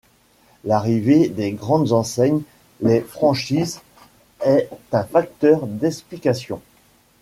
L'arrivée des grandes enseignes, les franchises, est un facteur d'explication.